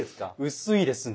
薄いですね。